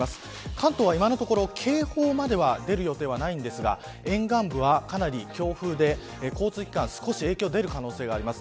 関東は今のところ警報までは出る予定はないんですが沿岸部は、かなり強風で交通機関、影響が出る可能性があります。